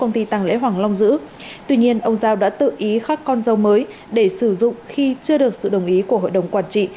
tuy nhiên ông giao đã tự ý khắc con dâu mới để sử dụng khi chưa được sự đồng ý của hội đồng quản trị